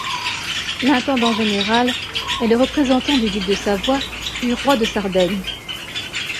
L'intendant général est le représentant du duc de Savoie puis roi de Sardaigne.